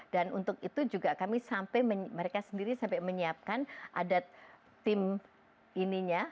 dan untuk itu juga kami sampai mereka sendiri sampai menyiapkan ada tim ininya